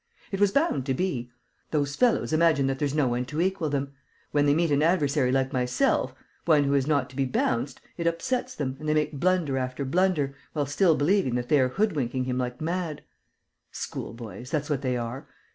It was bound to be. Those fellows imagine that there's no one to equal them. When they meet an adversary like myself, one who is not to be bounced, it upsets them and they make blunder after blunder, while still believing that they are hoodwinking him like mad. Schoolboys, that's what they are!